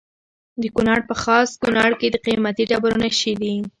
د کونړ په خاص کونړ کې د قیمتي ډبرو نښې دي.